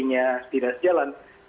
rupiah seharusnya tidak sejalan